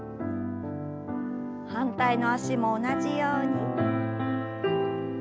反対の脚も同じように。